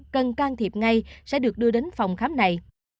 cần can thiệp ngay sẽ được đưa đến phòng khám này